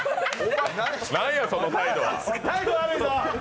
何や、その態度は。